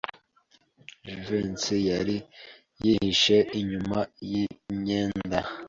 Jivency yari yihishe inyuma yumwenda.